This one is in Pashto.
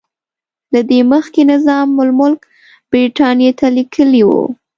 له دې مخکې نظام الملک برټانیې ته لیکلي وو.